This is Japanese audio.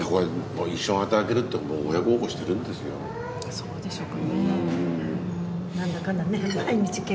そうでしょうかね。